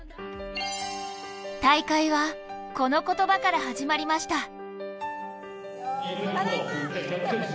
大会はこの言葉から始まりました。